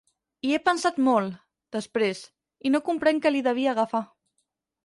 Hi he pensat molt, després, i no comprenc què li devia agafar.